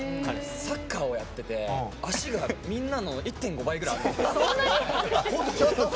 サッカーをやってて脚が、みんなの１．５倍ぐらいあるんですよ。